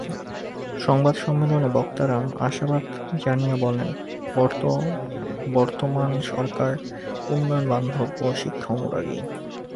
সংবাদ সম্মেলনে বক্তারা আশাবাদ জানিয়ে বলেন, বর্তমার সরকার উন্নয়নবান্ধব ও শিক্ষানুরাগী।